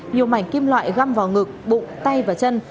nhiều mảnh kim loại găm vào ngực bụng tay và chân